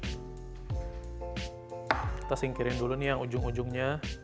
kita singkirin dulu nih yang ujung ujungnya